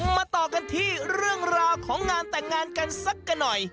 มาต่อกันที่เรื่องราวของงานแต่งงานกันสักกันหน่อย